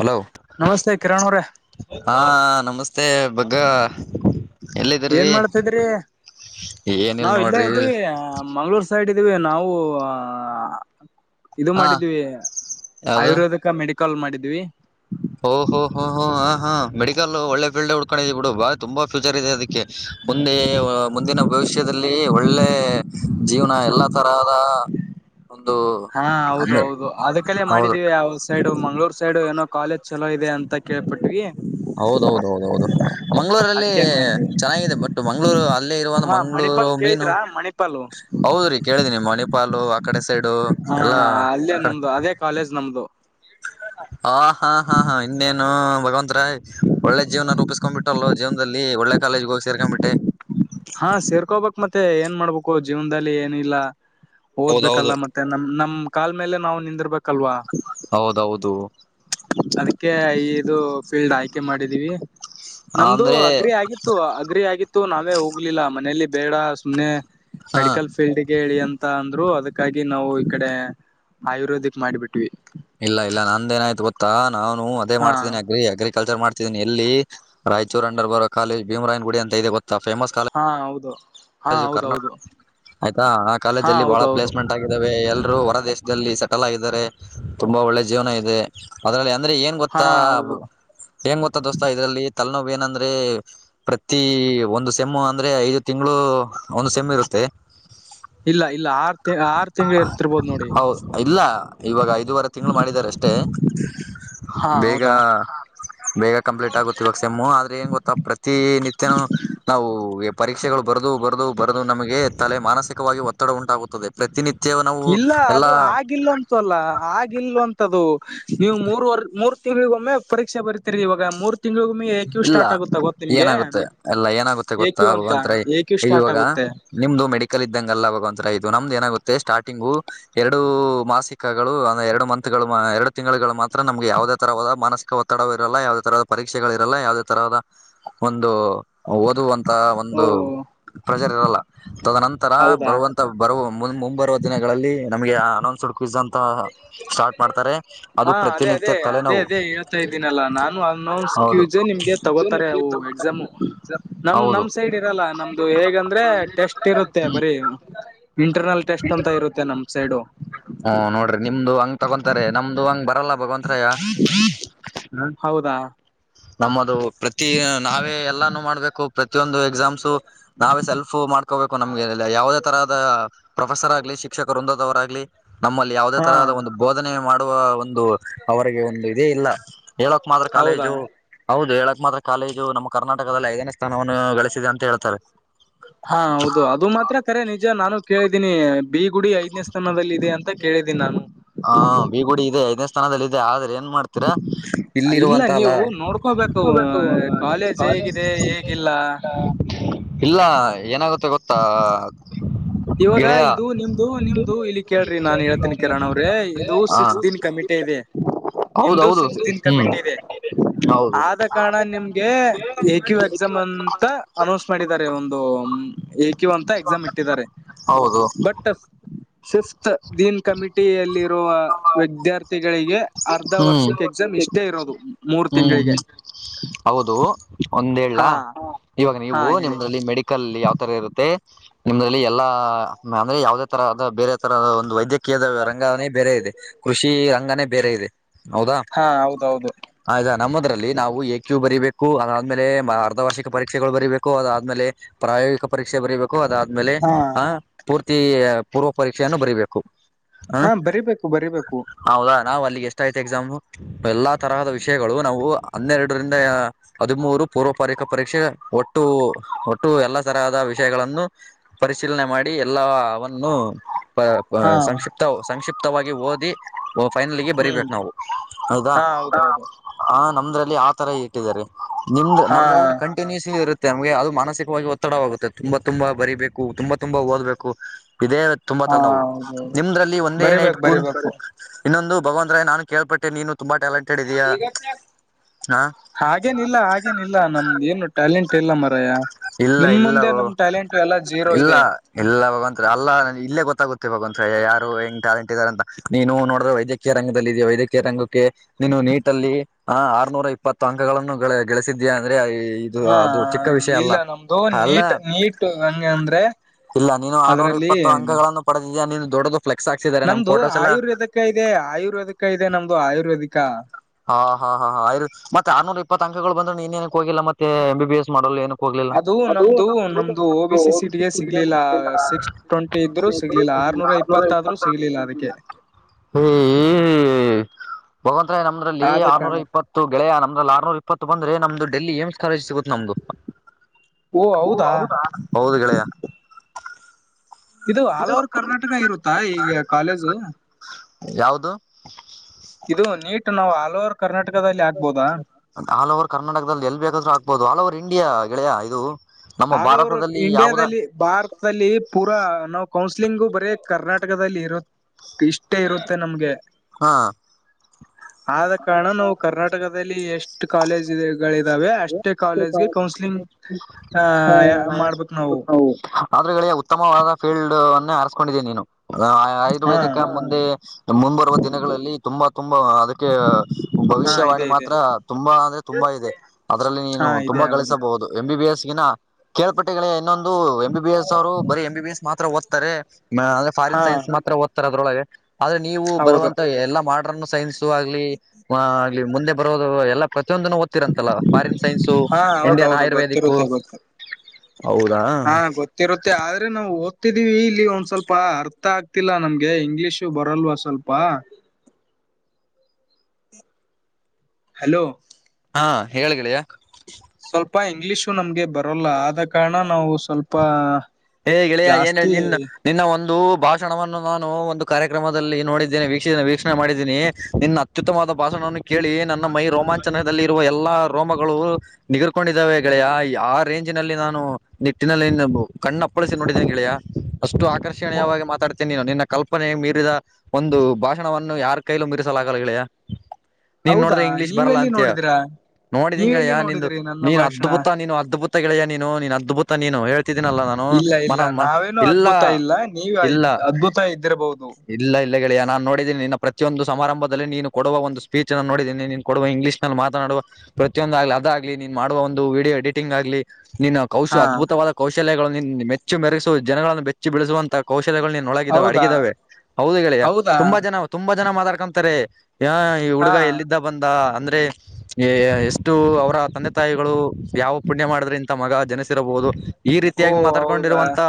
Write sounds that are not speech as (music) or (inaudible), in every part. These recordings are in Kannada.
ಹಲೋ ನಮಸ್ತೆ ಕಿರಣ್ ಅವ್ರ ಹಾ ನಮಸ್ತೆ ಬಗ್ಗ ಏನ್ ಎಲ್ಲಿದ್ರೀ ಮಾಡ್ತಿದ್ರಿ ಏನಿಲ್ ನಾವ ಇಲ್ಲೇ ನೋಡ್ರಿ ಇದ್ವಿ ಮಂಗ್ಗಳೂರ್ ಿದೀವಿ ನಾವು ಇದು ಹಾ ಮಾಡಿದೀವಿ ಯಾವ್ದು ಆಯುರ್ವೇದ ಈ ಮೆಡಿಕಲ್ ಮಾಡಿದ್ವಿ ಓಹ ಹಾ ಮಡಿಕಲ್ ಒಳ್ಳೆ ಫಲ್ಡ್ ಉುಕಿದ್ ಬಿಡು ಬಾ ತುಂಬ ಫ್ಯಚರ್ ಇದೆ ಅದಕ್ಕೆ ಮುಂದೆ ಮುಂದಿನ ಭವಿಷ್ಯದ ಲ್ಲಿ ಒಳ್ಳೆ ಜೀವನ ಎಲ್ಲಾ ತರದ ಒಂದು ಹಾ ಹೌದ ಹೌದು ಅದಕ್ಕಲ್ಲೇ ಹೌದು ಮಾಡಿದೀವಿ ಯಾವ ಸೈಡು ಮಂಗ್ಗಳೂರ್ ಸೈಡು ಏನೋ ಕಾಲೇಜ್ ಚಲೋ ಇದೆ ಅಂತ ಕೇಳ್ಪಿಟ್್ವಿ ಹೌದ ಹೌದ ಹೌದ ಹೌದು ಮಂಗ್ಗಳೂರಲ್ಲಿ ಅದ್ಕೇನ್ ಮಾಡಿದ್ವಿ ಚೆನ್ನಾಗಿದೆ ಬಟ್ ಮಂಗ್ಗಳೂರು ಅಲ್ಲಿೇ ಇರುವ ಮ ಮಂಗ್ಗಳೂರು ಮೀನು ಹಾಣ ಪಾಲೋ ಹೌದ್ರಿ ಕೇಳಿದೀನಿ ಮಣಿಪಾಲು ಆ ಕಡೆ ಸೈಡು ಹ ಅಲ್ಲೇ ಎಲ್ಲಾಡೆ ನಮ್ದು ಅದೇ ಕಾಲೇಜ್ ನಮದುು ಹ ಹಾ ಹಾ ಹಾ ಇನ್ನೇನು ಭಗವಂತತ್ ರ ಒಳ್ಳೆ ಜೀವನ ರೂಪಿಸ್ಕೊ್ಬಿಟ್ಟಲ್ಲೋ ಜೀವನದಲ್ಲಿ ಒಳ್ಳೆ ಕಾಲೇಜ್ ಹೋಗ್ ಸೇರ್ಕ್ಂಬಿಟ್ಟೆ ಹಾ ಸೇರ್ಕೋಬೇಕಕ್ ಮತ್ತೆ ಏನ್ ಮಾಡ್ಬೇಕು ಜೀವನದಲ್ಲಿ ಏನಿಲ್ಲ ಓದ್ಬೇಕಲ್ಲ ಹೌದೌದು ಮತ್ತೆ ಮತ್ತೆ ನಮ್ ನಮ್ ಕಾಲ್ ಮೇಲೆ ನಾವು ನಿಂದಿರ್ಬೇಕಲ್ವಾ ಹೌದೌದು ಅದಕ್ಕೆ ಇದು ಫೀಲ್ಡ್ ಆಯ್ಕೆ ಮಾಡಿದೀವಿ ನಮ್ದು ಅಂದ್ರೆ ಅಗ್ರಿ ಆಗಿತ್ತು ಅಗ್ರಿ ಆಗಿತ್ತು ನಾವೇ ಹೋಗ್ಲಿಲ್ಲ ಮನೇಲಿ ಬೇಡ ಸುಮ್ನೆ ಹ ಮೆಡಿಕಲ್ ಫೀಲ್ಡ್ಗೆ ಹೇಳಿ ಅಂತ ಅಂದ್ರು ಅದಕ್ಕಾಗಿ ನಾವು ಈ ಕಡೆ ಆಯುರ್ವೇದಿಕ್ ಮಾಡಿಬಿಟ್ವಿ ಇಲ್ಲ ಇಲ್ಲ ನಂದೇನ ಆಾಯ್ತು ಗೊತ್ತಾ ನಾನು ಅದೇ ಹಾ ಮಾಡ್ತಿದ್ದೇನೆ ಅಗ್ರಿಕಲ್ಚರ್ ಮಾಡ್ತಿದನಿ ಎಲ್ಲಿ ರಾಯಚೂರ್ ಅಂಡರ್ ಬರುವ ಕಾಲಜ್ ಭೀಮರಾಯನ್ ಗುಡಿ ಅಂತ ಇದೆ ಗೊಾ ಫೇಮಸ್ ಕಾಲೇಜ್ ಹಾ ಹೌದು ಹಾ ಕರ್ನಾ ಹೌದೌದು ಆಯ್ತಾ ಆ ಕಾಲೇಜ್ ಹಾ ಅಲ್ಲಿ ಬಹಳ ಹೌದೌದು ಪ್ಲೇಸ್ಮೆಂಟ್ ಾವ ಎಲ್ಲರೂ ಹೊರ ದೇಶದಲ್ಲಿ ಸೆಟಲ್ ಆಗಿದ್ದಾರೆ ತುಂಬಾ ಒಳ್ಳೆ ಜೀವನ ಇದೆ ಅದ್ರಲ್ಲಿ ಅಂದ್ರೆ ಏನ್ ಹಾ ಗೊತ್ತಾ ಹೌದು ಏನ್ ಗೊತ್ತಾ ದೋಸ್ತಾ ಇದ್ರಲ್ಲಿ ತಲೆನೋವು ಏನಂದ್ರೆ ಪ್ರತಿ ಒಂದು ಸೆಮ್ಮು ಅಂದ್ರೆ ಐದು ತಿಂಗಳು ಒಂದು ಸೆಮ್ಮು ಇರುತ್ತೆ ಇಲ್ಲ ಇಲ್ಲ ಆರ್ ಆರು ತಿಂಗಳು ಇರ್ತಿರ್ಬೋದು ನೋಡಿ ಹೌ ಇಲ್ಲ ಇವಾಗ ಐದು ವರ್ಷ ತಿಂಗಳು ಮಾಡಿದಿದ್ದಾರೆ ಅಷ್ಟೇ ಹಾ ಬೇಗ ಹೌದಾ ಬೇಗ ಕಂಪ್ಲೀಟ್ ಆಗುತ್ತೆ ಇವಾಗ ಮ್ಮ ಆದ್ರೆ ಏನ್ ಗೊತ್ತಾ ಪ್ರತಿಿನಿತ್ಯನುೂ ನಾವು ಪರೀ ಪಕ್ಷೆಗಳು ಬರೆದು ಬರೆದು ಬರೆದು ನಮಗೆ ತಲೆ ಮಾನಸಿಕವಾಗಿ ಒತ್ತಡ ಉಂಟಾಗುತ್ತದೆ ಪ್ರತಿನಿತ್ಯ ನಾವು ಎಲ್ಲಾ ಗೊಲ್ಲ ಆಗಿಲ್ವಂತ್ದು ನೀವು ಮೂರ್ವರ್ ಮೂರ್ ಇಿಗೊಮ್ಮೆ ಪರೀಕ್ಷೆ ಬರ್ತೀರಿ ಇವಾಗ ಮೂರ್ ತಿಂಳಿಗಮ ಾಕಿವ ಇಲ್ಲ ಸ್ಟಾರ್ಟ್ ಆಗುತ್ತಾ ಗೊತ್ತ ನಿಮ್ಗೆ ಏನಾಗುತ್ತೆ ಎಲ್ಲ ಏನಾಗುತ್ತೆ ಗೊತ್ತಾ ಏಕಿವ ಅಂತ ಭಗವಂತರ ಏಕಿವ ಸ್ಟಾರ್ಟ್ ಇವಾಗ ಆಗುತ್ತೆ ನಿಮ್ದು ಮೆಡಿಕಲ್ ಇದ್ದಂಗಲ್ಲ ಅವಗ ಒಂಂತರ ಇದು ನಮ್ದ್ ಏನಾಗುತ್ತೆ ಸ್ಟಾರ್ಟಿಂಗು ಎರಡು ಮಾಸಿಕಗಳು ಅಂದ ಎರಡು ಮಂತ್ ಗಳು ಎರಡು ತಿಂಗಳು ಮಾತ್ರ ನಮಗೆ ಯಾವುದೇ ತರದ ಮಾನಸಿಕ ಒತ್ತಡ ಇರಲ್ಲ ಯಾವುದೇರದ ಪರೀಕ್ಷೆ ರಲ್ಲ ಯಾವುದೇ ತರದ ಒಂದು ಓದುವ ಓ ಒಂದು ಪ್ರೆಜರ್ ಇರಲ್ಲ ತದ ನಂತರ ಹೌದಾ ಬರುವಂತ ಬರುವ ಮು ಮುಂಬರುವ ದಿನಗಳಲ್ಲಿ ನಮಗೆ ಅನೌನ್ಸ್ಡ್ ಕ ಅ ಸ್ಟಾರ್ಟ್ ಮಾಡ್ತಾರೆ ಅದು ಪ್ರತಿನಿತ್ಯ ತಲೆ ನಾವು ಆತಾ ಇದೀನಲ್ಲಾ ನಾನು ಅನ್ನೋಸ್ಕ್ಯೂಸ ನಿಮ್ಗೆ ತಗೋತಾರೆ ಅವು ಎಕ್ಸಾಮು ನಮ ಹೌದು ನಮ್ ಸೈಡ್ ಇರಲ್ಲ ನಮ್ದು ಹೇಗಂದ್ರೆ ಟೆಸ್ಟ್ ಇರುತ್ತೆ ಬರೀ ಹೌದು ಇಂಟರ್ನಲ್ ಟೆಸ್ಟ್ ಅಂತ ಇರುತ್ತೆ ನಮ್ ಸೈಡು ಹ್ಮ ನೋಡ್ರಿ ನಿಮ್ದು ಹಂಗ ತಗೊಂತಾರೆ ನಮ್ದು ಹಂಗ್ ಬರಲ್ಲ ಭಗವಂತ ರಾಯ ಹೌದಾ ನಮ್ಮದು ಪ್ರತಿ ನಾವೇ ಎಲ್ಲಾನು ಮಾಡ್ಬೇಕು ಪ್ರತಿಯೊಂದು ಎಕ್ಸಾಮ್ಸು ನಾವೇ ಸೆಲ್ಫ್ ಮಾಡ್ಕೋಬೇಕು ನಮ್ಗೆ ಯಾವುದೇ ತರಹದ ಪ್ರೊಫೆಸರ್ ಆಗ್ಲಿ ಶಿಕ್ಷಕರು ರಂದದವರಾಗ್ಲಿ ನಮ್ಮಲ್ಲಿ ಯಾವುದೇ ಹಾ ತರಹದ ಒಂದು ಬೋಧನೆ ಮಾಡುವ ಒಂದು ಅವರಿಗೆ ಒಂದು ಇದೇ ಇಲ್ಲ ಹೇಳಕ್ ಮಾತ್ರ ಕಾಲೇಜು ಹೌದಾ ಹೌದು ಹೇಳಕ್ ಮಾತ್ರ ಕಾಲೇಗು ನಮ್ಮ ಕರ್ಟಕದಲ್ಲಿ ಐದನೇ ಸ್ಥಾನವನ್ನು ಗಳಿಸಿದೆ ಅಂತ ಹೇಳ್ತಾರೆ ಹಾ ಹೌದು ಅದು ಮಾತ್ರ ಕರೆ ನಿಜ ನಾನು ಕೇಳಿದೀನಿ ಬಿ ಗುಡಿ ಐದನೇಷ್ಟ ದಲ್ಲಿ ಇದೆ ಅಂತ ಕೇಳಿದ್ದೀನಿ ನಾನು ಹಾ ಬಿ ಗುಡಿ ಇದೆಐದನೇ ಸ್ಥಾನದಲ್ಲಿ ಇದೆ ಆದ್ರೆ ಏನ್ ಮಾಡ್ತಾರೆ ರ ಇಲ್ಲ ಇಲ್ಲಿರುವಂತ ಅಲ್ಲ ನೀವು ನೋಡ್ಕೋಬೇಕು ಕಾಲೇಜ್ ಹೇಗಿದೆ ಹೇಗಿಲ್ಲ ಇಲ್ಲ ಏನಾಗುತ್ತೆ ಗೊತ್ತಾ ಇವಾಗ ಗೆಳೆಯ ಇದು ನಿಮ್ದು ನಿಮ್ದು ಇಲ್ಲಿ ಕೇಳ್ರಿ ನಾನ್ ಹೇಳ್ತೀನಿ ಕಿರಣ್ ಅವ್ರೆ ಇದು ಹಾ ಸಿಕ್ಸ್ ದಿನ್ ಕಮಿಟೆ ಇದೆ ನಿಮ್ದು ಹೌದೌದು ಸಿಕ್ಸ್ ದನ್ ಹ್ಮ್ ಕಮಿಟಿ ಇದೆ ಹೌದು ಆದ ಕಾರಣ ನಿಮ್ಗೆ ಎಕ್ಯು ಎಕ್ಸಾಮ್ ಅಂತ ಅನೌನ್ಸ್ ಮಾಡಿದ್ದಾರೆ ಒಂದು ಏಕಿವ ಅಂತ ಎಕ್ಸಾಮ್ ಇಟ್ಟಿದ್ದಾರೆ ಹೌದು ಬಟ್ ಫಿಫ್ತ್ ದೀನ್ ಕಮಿಟಿಯಲ್ಲಿರುವ ವಿದ್ಯಾರ್ಥಿಗಳಿಗೆ ಅರ್ಧ ಹ್ಮ್ ಹ್ಮ್ ವರ್ಷಕ್ಕೆ ಎಕ್ಸಾಮ್ ಇಷ್ಟೇ ಇರೋದು ಮೂರ್ ಹ್ಮ್ ತಿಂಗಳಿಗೆ ಹೌದು ಒಂದ ಹಾ ಇವಾಗ ಹಾ ನೀವು ಹೇಳಿ ನಿಮ್ದಲ್ಲಿ ಮೆಡಿಕ ಕಲ್ಲಿ ಯಾವ್ ತರ ಇರುತ್ತೆ ನಿಮ್ದಲ್ಲಿ ಎಲ್ಲಾ ಅಂದ್ರೆ ಯಾವವುದೇ ತರ ಬೇರೆ ಒಂದು ವೈದ್ಯಕೀಯ ರಂಗನೇ ಬೇರೆ ಇದೆ ಕೃಷಿ ರಂಗನೇ ಬೇರೆ ಇದೆ ಹೌದಾ ಹಾ ಹೌದೌದು ಆಯ್ತಾ ನಮ್ಮದ್ರಲ್ಲಿ ನಾವು ಎ ಕ್ಯು ಬರಿಬೇಕು ಅದಾದ್ಮೇಲೆ ಅರ್ಧ ವಾರ್ಷಿಕ ಪರೀಕ್ಷೆಗಳು ಬರಿೀಬೇಕು ಅದಾದ್ಮೇಲೆ ಪ್ರಾಯೋಗಿಕ ಪರೀಕ್ಷೆ ಬರೀಬೇಕು ಅದಾದ್ಮೇಲೆ ಹಾ ಆಹ ಪೂರ್ತಿ ಪೂರ್ವ ಪರೀಕ್ಷೆಯನ್ನು ಬರಿೀಬೇಕು ಹಾ ಬರಿಬೇಕು ಬರೀಬೇಕು ಹೌದಾ ನಾವ್ ಅಲ್ಲಿಗೆ ಎಷ್ಟ ಯ್ತ ಎಕ್ಸಾಮು ಎಲ್ಲಾ ತರಹದ ವಿಷಯಗಳು ನಾವು ಹನ್ನೆರಡರಿಂದ ಹದಿಮೂರು ಪೂರ್ವ ಪರೀಕ ಪರೀಕ್ಷೆ ಒಟ್ಟು ಒಟ್ಟು ಎಲ್ಲಾ ತರಹದ ವಿಷಯಗಳನ್ನು ಪರಿಶೀಲನೆ ಮಾಡಿ ಎಲ್ಲ ಅವವನ್ನು ಹಾ ಸಂಕ್ಷಿಪ್ತ ಸಂಕ್ಷಿಪ್ತವಾಗಿ ಓದಿ ಫೈನಲ್ಗೆ ಹ್ಮ್ ಬರಿಬೇಕು ನಾವು ಹೌದಾ ಹಾ ಹೌದೌದು ಹ ನಮ್ದ್ರಲ್ಲಿ ಆ ತರ ಇಟ್ಟಿದ್ದಾರೆ ನಿಮ್ದ್ ಹಾ ನಮ್ದಂ ಂಟನ್ೂಸ್ಲಿ ಇರುತ್ತೆ ನಮಗೆ ಅದು ಮಾನಸಿಕವಾಗಿ ಒತ್ತಡವಾಗುತ್ತೆ ತುಂಬಾ ತುಂಬಾ ಬರಿಬೇಕು ತುಂಬಾ ತುಂಬಾ ಓದ್ಬೇಕು ಇದೇ ತುಂಬಾ ಹಾ ತರ ನಾವು ಹೌದೌದು ನಿಮ್ದ್ರಲ್ಲಿ ಒಂದೇ ನೈಟ್ ಬರಿಬೇಕು ಕೂ ಬರಿಬೇಕು ಇನ್ನೊಂದು ಭಗವಂತ ರ್ ನಾನು ಕೇಳ್ಪಟ್ಟೆ ನೀನು ತುಂಬಾ ಟಾಲೆಂಟ್ ಹಾ ಈಗತ್ತ ಹಾಗೇನ ಇಿಲ್ಲ ಹಾಗೇನ ಇಿಲ್ಲ ನಮ್ದ ಏನು ಟ್ಯಾಲೆಂಟ್ ಇಲ್ಲ ಮರಯ ಇಲ್ಲ ನಿಮ ಮುಂದೆ ಇಲ್ಲ ನಮ ಟ್ಯಾಲೆಂಟ್ ಎಲ್ಲ ಜೀರೋ ಇಲ್ಲ ಇದೆ ಇಲ್ಲ ಭಗವಂತತ್ ಅಲ್ಲ ಇಲ್ಲೇ ಗೊತ್ತಾಗುತ್ತೆ ಭಗವಂತತ್ ಯಾರು ಹೆಂಗ್ ಟಾಲೆಂಟ್ ಇದಾರ ಅಂತ ನೀ ನೋಡ್ರೆ ವೈದ್ಯಕ ಕೆರಂಗದಲ್ಲಿ ಇದೆಯ ವೈದ್ಯಕ್ಯರ ರಂಗಕ್ಕೆ ನೀನು ನೀಟಲ್ಲಿ ಆ ಆರ್ನೂರ ಇಪ್ಪತ್ತು ಅಂಕಗಳನ್ನು ಗೆಗಳಿಸಿದ್ದಯಾ ಅಂದ್ರೆ ಇದು ಹಾ ಅದು ಚಿಕ್ಕ ವಿಷಯ ಅಲ್ಲ ಇಲ್ಲ ನಮ್ದು ಅಲ್ಲ ನೀಟ್ ನೀಟ್ ಹಂಗ ಅಂದ್ರೆ ಇಲ್ಲ ನೀನು ಆರ್ನೂರ ಅದ್ರಲ್ಲಿ ಇಪ್ಪತ್ತು ಅಂಕಗಳನ್ನು ಪಡೆದಿದ್ಯಾಯ ನೀನು ದೊಡ್ಡದು ್ಲೆಕ್ಸ್ ಹಾಕ್ಿದಿದ್ದಾರೆ ನಮ್ಮ ನಮ್ದು ಫೋಟೋಸ್ ಎಲ್ಲ ಆಯುರ್ವೇದಕ ಇದೆ ಆಯುರ್ವೇದಿಕ ಇದೆ ನಮ್ದು ಆಯುರ್ವೇದಿಕ ಹಾ ಹಾ ಹಾ ಹಾ ಆರಿ ಮತ್ತೆ ಆರ್ನೂರ್ ಇಪ್ಪತ್ ಅಂಕಗಳು ಬಂದ್ರೆ ನೀನ್ೇಏನಕ್ ಹೋಗಿಲ್ಲ ಮತ್ತ ಎ ಬಿ ಎಸ್ ಮಾಡಲ್ ಏನ ಅದು ನಮ್ದು ನಮ್ದು ಓ ಬಿ ಸಿ ಸಿೀಟ್ಗೆ ಸಿಗ್ಲಿಲ್ಲ ಸಿಕ್ಸ್ ಟ್ವೆಂಟಿ ಇದ್ರು ಸಿಗ್ಲಿಲ್ಲ ಆರ್ನೂರ ಇಪ್ಪತ್ತಾದ್ರೂ ಸಿಗ್ಲಿಲ್ಲ ಅದಕ್ಕೆ ಭಗವಂತರಾಯ್ ನಮ್ರಲ್ಲಿ ಆದ ಆರ್ನೂರ ಕಾರಣ ಇಪ್ಪತ್ತು ಗೆಳ ನ್ದಲ್ಲಿ ಆರ್ನೂರ್ ಇಪ್ಪತ್ತು ಬಂದ್ರೆ ನಮ್ದುಡೆಲ್ಲಿ ಏ್ಸ್ಾಲಜ ಸಿಗುತ್ತ ನಮ್ದು ಓ ಹೌದಾ ದ ಹೌದು ಗೆಳೆಯ ಇದು ಆಲ್ ಓವರ್ ಕರ್ನಾಟಕ ಇರುತ್ತಾ ಈಗ ಕಾಲೇಜು ಯಾವದು ಇದು ನೀಟ್ ನಾವು ಆಲ್ ಓವರ್ ಕರ್ನಾಟಕದಲ್ಲಿ ಆಗ್ಬಹದಾ ಆಲ್ ಓವರ್ ಕರ್ನಾಟಕದಲ್ಲಿ ಎಲ್ಲಿ ಬೇಕಾದ್ರೂ ಆಗ್ಬಹುದು ಆಲ್ ಓವರ್ ಇಂಡಿಯಾ ಳೆಯಾ ಇದು ನಮ್ಮ ಆಲ್ ಓವರ್ ಭಾರತದಲ್ಲಿ ಯಾವುದ ಇಂಡಿಯಾದಲ್ಲಿ ಭಾರತದಲ್ಲಿ ಪೂರಾ ನಾವವು ಕೌನ್ಸಲಿಂಗು ಬರೀ ಕರ್ನಾಟಕದಲ್ಲಿ ಇರ ಇಷ್ಟೇ ಇರುತ್ತೆ ನಮ್ಗೆ ಹಾ ಹಾ ಆದ ಕಾರಣ ನಾವು ಕರ್ನಾಟಕದಲ್ಲಿ ಎಷ್ಟು ಕಾಲೇಜ್ಗಳಿದಾವೆ ಅಷ್ಟೇ ಕಾಲೇಜ್ಗೆ ಕೌನ್ಸ್ಲಿಂಗ್ ಹ ನ ಆದ್ರೂ ಉತ್ತಮವಾದ ಫೀಲ್ಡ್ ಅನ್ನ ಹರಸ್ಕೊಂಡಿದ್ದಿ ನೀನು ಹಾ ಆಯುರ್ವೇದಿಕ ಮುಂದೆ ಮುಂದರುವ ದಿನಗಳಲ್ಲಿ ತುಂಬಾ ತುಂಬಾ ಅದಕ್ಕೆ ಹಾ ಭವಿಷ್ಯವಾಣಿ ಇದೆ ಇದೆ ಮಾತ್ರ ತುಂಬಾ ಅಂದ್ರೆ ತುಂಬಾ ಇದೆ ಅದ್ರಲ್ಲಿ ನೀನು ಹಾ ಇದೆ ತುಂಬಾ ಹೌದು ಗಳಿಸಬಹುದು ಎಂಬ ಬಿ ಬಿ ಎಸ್ ಗಿನ ಕೇಳ್ಪಟ್ಟೆಗಳ ಇನ್ನೊಂದು ಎಂ ಬಿ ಬಿ ಎಸ್ ಅವರು ಬರೀ ಎಂಬ ಬಿ ಬಿ ಎಸ್ ಮಾತ್ರ ಓದ್ತಾರೆ ಫಾರಿನ್ ಹಾ ಸೈನ್ಸ್ ಮಾತ್ರ ಓದ್ತಾರೆ ಅದ್ರೊಳಗೆ ಆದ್ರೆ ನೀವು ಹೌದು ಬರುವಂತ ಎಲ್ಲಾ ಮಾಡರ್ನ್ ಸೈನ್ಸ್ ಆಲಿ ಆಗ್ಲಿ ಮುಂದೆ ಬರೋದು ಎಲ್ಲಾ ಪ್ರತಿಯೊಂದನ್ನು ರಂತಲ್ಲ ಫಾರಿನ್ ಸೈನ್ಸು ಹಾ ಇಂಡಿಯನ್ ಹೌದೌದು ಆಯುರ್ವೇದಿಕ್ ಗೊತ್ತಿರುತ್ತೆ ಗೊತ್ತು ಹೌದಾ ಹಾ ಗೊತ್ತಿರುತ್ತೆ ಆದ್ರೆ ನಾವು ಓದ್ತಿದೀವಿ ಇಲ್ಲಿ ಒಂದ್ ಸ್ವಲ್ಪ ಅರ್ಥ ಆಗ್ತಿಲ್ಲ ನಮ್ಗೆ ಇಂಗ್ಲಲಿಷು ಬರಲ್ವ ಸ್ವಲ್ಪ ಪ್ಪಾ ಹಲೋ ಹಾ ಹೇಳಳ್ಗೆಯ ಸ್ವಲ್ಪ ಇಂಗ್ಲಿೀಷು ನಮ್ಗೆ ಬರೋಲ್ಲ ಆದ ಕಾರಣ ನಾವು ಸ್ವಲ್ಪ ಹೇಗೆಳಿಯ ಏನ್ ಜಾಸ್ತಿ ನಿನ್ ನಿನ್ನ ಒಂದು ಭಾಷಣವನ್ನು ನಾನು ಒಂದು ಕಾರ್ಯಕ್ರಮದಲ್ಲಿ ನೋಡಿದ್ದೇನೆ ವೀಕ್ಷ ವೀಕ್ಷಣೆ ಮಾಡಿದ್ದೀನಿ ನಿನ್ನ ಅತ್ಯುತ್ತವಾದ ಭಾಷಣವನ್ನು ಕೇಳಿ ನನ್ನ ಮೈ ರೋಮಾಂಚನದಲ್ಲಿ ಇರುವ ಎಲ್ಲಾ ರೋಮಗಳು ನಿಗರ್ಕೊಂಡಿದ್ದಾವೆ ಗಳೆಯಾ ಆ ರೇಂಜ್ಿನಲ್ಲಿ ನಾನು ನಿಟ್ಟಿನಲ್ಲಿ ಕಣ್ಣ ಅಪ್ಪಳಿಸಿ ನೋಿದ್ದೀನಿ ಕಳಿಯಾ ಅಷ್ಟು ಆಕರ್ಷಣೀಯವಾಗಿ ಮಾತಾಡ್ತೀನಿ ನೀನು ನಿನ್ನ ಕಲ್ಪನೆ ಮೀರಿದ ಒಂದು ಭಾಷಣವನ್ನು ಯಾರ ಕೈಲು ಮೀರಿಸಲಾಗಲ್ಲ ಹೇಳೆಯಾ ನೀನ್ ಹೌದಾ ನೋಡ್ದ್ರೆ ಇಂಗ್ಲಲಿಷ್ ಬರಲ್ಲ ನೀವೆಲ್ಲಿ ಅಂತತ್ಯ ನೋಡಿದಿರಾ ನೋಡಿದಿಂಗೆ ನೀವೆಲ್ಲಿ ನಿ ನೋಡಿದ್ರಿ ನನ್ನ ನೀನು ಭಾಷಣ ಅದ್ಭುತ ನೀನು ಅದ್ಭುತ ಗೆೆಯ ನೀನು ನೀನು ಅದ್ಭುತ ನೀನು ಹೇತಿದೀನಲ್ಲಾನು ಇಲ್ಲ ಇಲ್ಲ ನಾವೇನು ಅದ್ಭುತ ಇಲ್ಲ ನೀವ್ ಇಲ್ಲ ಅದ್ಭುತ ಇದ್ದಿರಬಹುದು ಇಲ್ಲ ಇಲ್ಲ ಳೆಯಾ ನಾನು ನೋಡಿದ್ದನಿನ್ನ ಪ್ರತಿಯೊಂದು ಸಮಾರಂಭದಲ್ಲಿ ನೀನು ಕೊಡುವ ಒಂದು ಸ್ಪೀಚ್ ನೋಡಿದ್ದೀನಿ ನೀನು ಕೊಡುವ ಇಂಗ್ಲೀಷ್ ನ ಮಾತನಾಡುವ ಪ್ರತಿಯೊಂದ ಆಗ್ಲಿ ಅದಾಗ್ಲಿ ನೀನ್ ಮಾಡುವ ಒಂದು ವೀಡಿಯೋ ಎಡಿಟಿಂಗ್ ಆಗ್ಲಿ ನಿನ್ನ ಕೌಶ ಹಾ ಅದ್ಭುತವಾದ ಕೌಶಲ್ಯಗಳನ್ನು ಮೆಚ್ಚು ಮೆರೆಸುವ ಜನಗಳನ್ನು ಬೆೆಚ್ಚು ಬೆಳೆಸುವಂತ ಕೌಶಲ್ಯಗಳ ನಿನೊಳಗಿದಾವೆ ಹೌದಾ ಅಡಗಿದಾವೆ ಹೌದು ಹೇಳೆಯಾ ಹೌದಾ ತುಂಬಾ ಜನ ತುಂಬಾ ಜನ ಮಾತಾಡ್ಕೊಂತಾರೆ ಈ ಹಾ ಹುಡುಗ ಎಲ್ಲಿದ್ದ ಬಂದ ಅಂದ್ರೆ ಎಷ್ಟು ಅವರ ತಂದೆ ತಾಯಿಗಳು ಯಾವ ಪುಣ್ಯ ಮಾಡಿದ್ರೆ ಇಥ ಮಗ ಜನಸಿರಬಹುದು ಈ ಓ ರೀತಿಯಾಗಿ ಹೌದಾ ಮಾತಾಡ್ಕೊಂಡಿರುವಂತ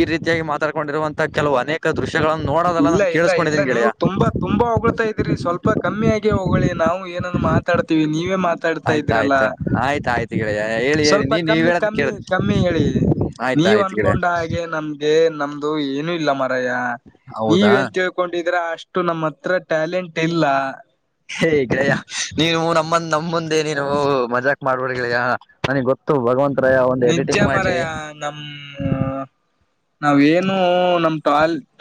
ಈ ರೀತಿಯಾಗಿ ಮಾತಾಡ್ಕೊಂಡಿರುವಂತ ಕೆಲವು ಅನೇಕ ದೃಶ್ಯಗಳಗಳನ್ನು ನೋಡೋದೆಲ್ಲ ಇಲ್ಲ ನಾನ್ ಇಲ್ಲ ಇಲ್ಲ ಕೇಳಿಸ್ಕೊಂಡಿದೀನ ನೀವು ಗೆಳೆಯಾ ತುಂಬಾ ತುಂಬಾ ಹೊಗಳಳ್ತಾ ಇದೀರಿ ಸ್ವಲ್ಪ ಕಮ್ಮಿ ಆಗ ಹೋಗಳಿ ನಾವು ಏನನ್ನು ಮಾತಾಡ್ತಿೀವಿ ನೀವೇ ಮಾ ಆಯ್ತಾಯಯ್ತು ಆಯ್ತ ಆಯ್ತು ಕೇಳ ಹೇಳಿ ಹೇಳಿ ಸ್ವಲ್ಪ ನೀನ್ ನೀವ ಕಮ್ಮಿ ಹೇಳದ ಕಮ್ಮಿ ಕೇಳ ಕಮ್ಮಿ ಆಯ್ತ ಆಯ್ತ್ ಗಡೆ ಹಾಗಗೆ ನಮ್ಗೆ ನಮ್ದು ಏನು ಇಲ್ಲ ಮರಯ್ಯ ನೀವ ಹೌದಾ ನ್ ತಿೇಳ್ಕೊಂಡಿದ್ರ ಅಷ್ಟು ನಮ್ಮ ಹತ್ರ ಟ್ಯಾಲೆಂಟ್ ಇಲ್ಲ ಹೇ ಗಯ ನೀನು ನಮ್ಮಂದ ನಮ್ಮ ಮುಂದೆ ನೀನು ಮಜಾಕ್ ಮಾಡ್ಬೇಡ್ ಗ್ರಯ ನನಗ್ ಗೊತ್ತ ಇ ಭಗವಂತತ್ ರಾಯ ಒಂದು್ ಎಡಿಟಿಂಗ್ ಮಾಡ್ಲಿ ನಮ್ಮ್ ನಾವ ಏನು ನಮ ಟ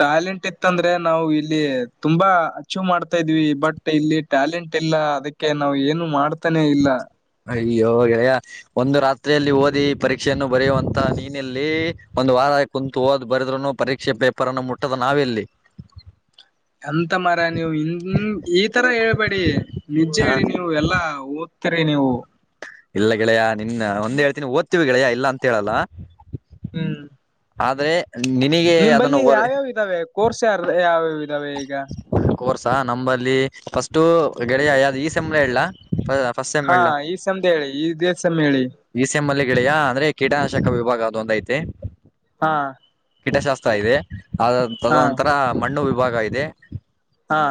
ಟ್ಯಾಲೆಂಟ್ ಇತ್ತಂದ್ರೆ ನಾವು ಇಲ್ಲಿ ತುಂಬಾ ಹೆಚ್ಚು ಮಾಡ್ತಾ ಇದ್ವಿ ಬಟ್ ಇಲ್ಲಿ ಟ್ಯಾಲೆಂಟ್ ಇಲ್ಲ ಅದಕ್ಕೆ ನಾವ್ ಏನು ಮಾಡ್ತಾನೆ ಇಲ್ಲ ಅಯ್ಯ ಹೋಗ ಒಂದು ರಾತ್ರಿಯಲ್ಲಿ ಓದಿ ಪರೀಕ್ಷೆಯನ್ನು ಬರೆಯುವಂತ ನೀನಲ್ಲಿ ಒಂದು ವಾರ ಕುಂತು ಹೋದ್ ಬರದ್ರುನು ಪರೀಕ್ಷೆ ಪೇಪರ್ ಅನ್ನು ಮುಟ್ಟದ ನಾವ್ ಎಲ್ಲಿ ಹ ಎಂತ ಮರ ನೀವು್ ಹ ಈ ತರ ಹೇಳ್ಬೇಡಿ ನಿಜೆ ಹ ಹೇಳಿ ನೀವು ಎಲ್ಲಾ ದ ಇರೆ ನೀವು ಇಲ್ಲ ಗೆಳೆಯ ನಿನ್ನ ಒಂದ್ ಹೇಳ್ತಿನಿ ಓದ್ತೀವಿ ಗೆಳೆಯ ಇಲ್ಲ ಅಂತ ಹೇಳಲ್ಲ ಹ್ಮ್ ಆದ್ರೆ ನಿನಗೆ ನಿಮ ಅದನ್ನು ಬಲ್ಲಿ ಓರ್ ಯಾವ್ಯಾವ ಇದ್ದಾವೆ ಕೋರ್ಸ್ ಯಾರ ಯಾವ್ಯಾವ್ ಇದಾವೆ ಈಗ ಕೋರ್ಸಾ ನಂಬಲ್ಲಿ ಫಸ್ಟು ಗೆಡೆಯ ಯ್ದು ಈ ಸೆಂಬಳ ಎಲ್ಲಾ ಫಸ್ ಹಾ ಈ ಸಧ ಹೇಳಿ ಈ ದೇಸ ಹೇಳಿ ಈಸ ಎಂಮ್ಮಲ್ಲಿ ಗೆಳೆಯಾ ಅಂದ್ರೆ ಕೀಟನಾಶಕ ವಿಭಾಗ ಅದು ಒಂದು ಐತೆ ಹಾ ಕೀಟಶಾಸ್ತ್ರ ಇದೆ ಅ ಹಾ ತದನಂತರ ಮಣ್ಣು ವಿಭಾಗ ಇದೆ ಹಾ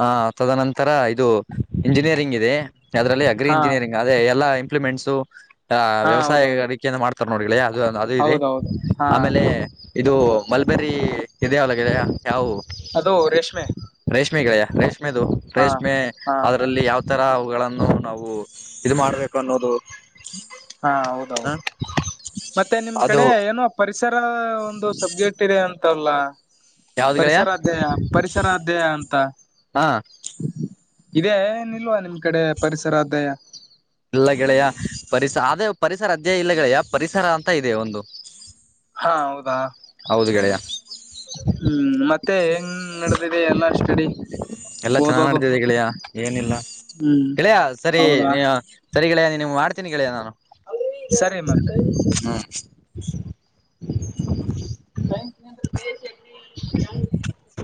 ಹ ತದನಂತರ ಇದು ಇಂಜಿನಿಯರಿಂಗ್ ಇದೆ ಅದರಲ್ಲಿ ಅಗ್ರಿ ಹಾ ಇಂಜಿನಿಯರಿಂಗ್ ಅದೇ ಎಲ್ಲಾ ಇಂಪ್ಲಿಮೆಂಟ್ಸು ಹಾ ಹೌದೌದು ವ್ಯವಸಾಯೆಯ ಮಾಡ ನೋಡ್ಗಳೆ ಅದು ಅದು ಇದೆ ಹೌದೌದು ಹಾ ಆಮೇಲೆ ಇದು ಮಲ್ಬೇರಿ ಎದೆ ಒಲಗಿದೆ ಯಾವವು ಅದು ರೇಷ್ಮೆ ರೇಷ್ಮೆಗಳೆಯ ರೇಷ್ಮೆದು ಹಾ ರೇಷ್ಮೆ ಹಾ ಅದರಲ್ಲಿ ಯಾವ ಈ ತರ ಅವುಗಳನ್ನು ನಾವು ಇದು ಮಾಡ್ಬೇಕು ಅನ್ನೋದು ಹಾ ಹೌದೌದು ಹ ಮತ್ತೆ ನಿಮ್ ಅದು ಕಡೆ ಏನು ಪರಿಸರ ೊಂದು ಸಬ್ಜೆಕ್ಟ್ ಇದೆ ಅಂತಲ್ಲ ಯಾವ್ದ್ ಗೆಳೆಯ ಪರಿಸರಧ್ಯಯ ಪರಿಸರ ಅಧ್ಯಯ ಅಂತ ಹಾ ಇದೇ ಏನಿಲ್ವಾ ನಿಮ್ ಕಡೆ ಪರಿಸರಧ್ಯಾಯ ಇಲ್ಲ ಗೆಳೆಯ ಪರಿಸ ಆದೇ ಪರಿಸರ ಅಧ್ಯಾಯ ಇಲ್ಲ ಗೆಳೆಯ ಪರಿಸರ ಅಂತ ಇದೆ ಒಂದು ಹಾ ಹೌದಾ ಹೌದು ಕಡೆಯ ಹ್ಮ್ ಮತ್ತೆ ಹೆಂಗ ನಡೆದಿದೆ ಎಲ್ಲಾ ಸ್ಟಡಿ ಎಲ್ಲಾ ಚೆನ್ನಾಗ್ ಓದೋದು ನಡತಿದೆ ಕೆಿಳಿಯ ಏನಿಲ್ಲ ಹ್ಮ್ ಕೆಿಳೆಯ ಸರಿ ಹೌದಾ ನೀ ಸರಿ ಕಳಿಯ ನೀ ನಿಮ್ಗೆ ಮಾಡ್ತೀನಿ ಕಳಿಯ ನಾನು ಸರಿ ಮತ್ತೆ ಹ್ಮ್ (inaudible) (inaudible) ೆಂ ಹ